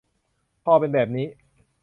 พอเป็นแบบนี้